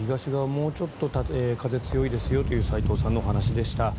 もうちょっと風強いですよという齋藤さんのお話でした。